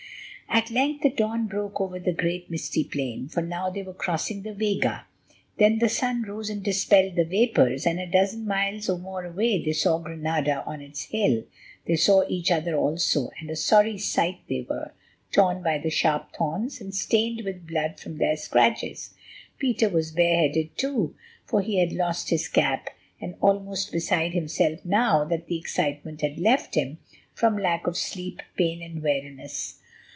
At length the dawn broke over the great misty plain, for now they were crossing the vega. Then the sun rose and dispelled the vapours, and a dozen miles or more away they saw Granada on its hill. They saw each other also, and a sorry sight they were, torn by the sharp thorns, and stained with blood from their scratches. Peter was bare headed too, for he had lost his cap, and almost beside himself now that the excitement had left him, from lack of sleep, pain, and weariness.